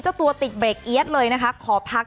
เจ้าตัวติดเบรกเอี๊ยดเลยนะคะขอพัก